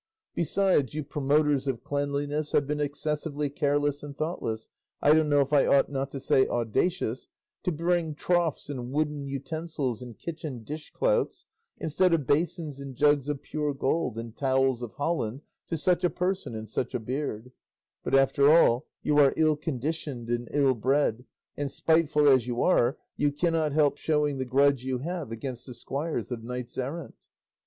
Besides, you promoters of cleanliness have been excessively careless and thoughtless, I don't know if I ought not to say audacious, to bring troughs and wooden utensils and kitchen dishclouts, instead of basins and jugs of pure gold and towels of holland, to such a person and such a beard; but, after all, you are ill conditioned and ill bred, and spiteful as you are, you cannot help showing the grudge you have against the squires of knights errant."